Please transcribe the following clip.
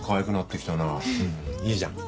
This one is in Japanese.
いいじゃん。